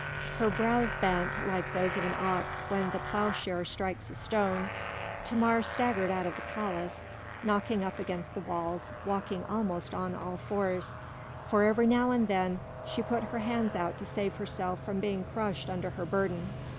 Her brows bent, like those of an ox when the ploughshare strikes a stone, Thamar staggered out of the palace, knocking up against the walls, walking almost on all fours, for every now and then she put her hands out to save herself from being crushed under her burden.